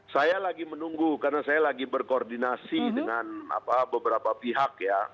saya lagi menunggu karena saya lagi berkoordinasi dengan beberapa pihak ya